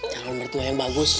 calon bertua yang bagus